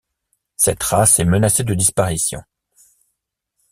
Cette race est menacée de disparition.